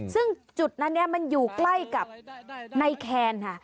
ซึ่งจุดนั้นมันอยู่ใกล้กับในแคนค่ะ